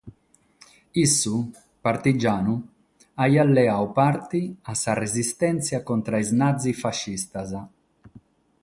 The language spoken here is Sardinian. Issu, partigianu, aiat leadu parte a sa resistèntzia contra a sos nazi-fascistas.